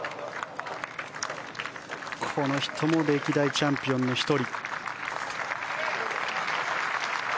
この人も歴代チャンピオンの１人。